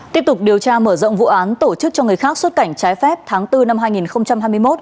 tiếp tục điều tra mở rộng vụ án tổ chức cho người khác xuất cảnh trái phép tháng bốn năm hai nghìn hai mươi một